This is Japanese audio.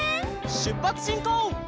しゅっぱつしんこう！